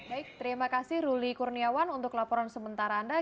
baik terima kasih ruli kurniawan untuk laporan sementara anda